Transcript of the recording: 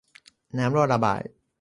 น้ำรอระบาย